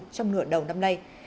trong nửa đầu năm nay